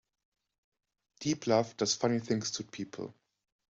Deep love does funny things to people'.